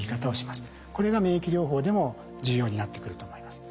これが免疫療法でも重要になってくると思います。